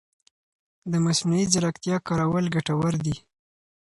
د مصنوعي ځېرکتیا کارول ګټور دي.